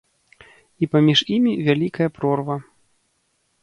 І паміж імі вялікая прорва.